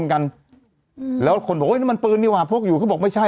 เหมือนกันแล้วคนบอกโอ้ยนั่นมันปืนดีกว่าพวกอยู่เขาบอกไม่ใช่